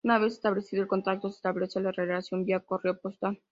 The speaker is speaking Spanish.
Una vez establecido el contacto se establece la relación vía correo postal.